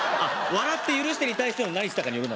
「笑って許して」に対しての「何したかによる」